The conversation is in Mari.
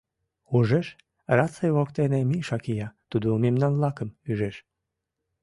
Ужеш: раций воктене Миша кия, тудо мемнан-влакым ӱжеш.